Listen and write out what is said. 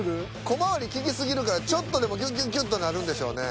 小回り利き過ぎるからちょっとでもギュッギュッギュッとなるんでしょうね。